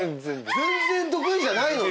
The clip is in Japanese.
全然得意じゃないのに？